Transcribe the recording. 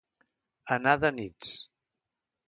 Anar de nits.